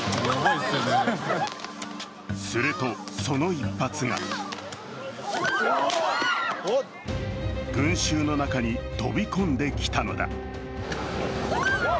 すると、その１発が群衆の中に飛び込んできたのだ。